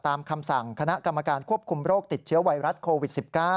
คำสั่งคณะกรรมการควบคุมโรคติดเชื้อไวรัสโควิด๑๙